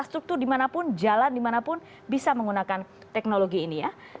infrastruktur di mana pun jalan di mana pun bisa menggunakan teknologi ini ya